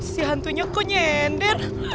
si hantunya kok nyender